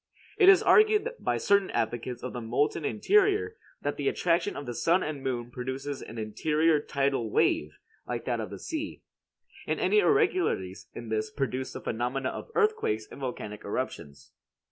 It is argued by certain advocates of the molten interior that the attraction of the sun and moon produces an interior tidal wave, like that of the sea; and any irregularities in this produce the phenomena of earthquakes and volcanic eruptions.